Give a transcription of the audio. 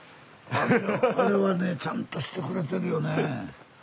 あれはねえちゃんとしてくれてるよねえ。